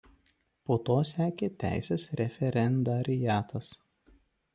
Po to sekė teisės referendariatas.